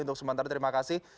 untuk sementara terima kasih